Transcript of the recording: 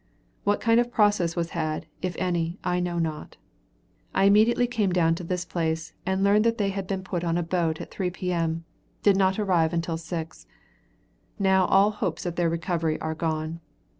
What kind of process was had, if any, I know not. I immediately came down to this place, and learned that they had been put on a boat at 3 P.M. I did not arrive until 6. Now all hopes of their recovery are gone.